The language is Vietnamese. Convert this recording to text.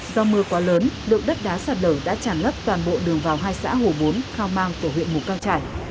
do mưa quá lớn lượng đất đá sạt lở đã tràn lấp toàn bộ đường vào hai xã hồ bốn khao mang của huyện mù căng trải